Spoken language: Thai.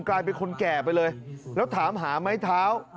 กลายเป็นคนแก่ไปเลยแล้วถามหาไม้เท้า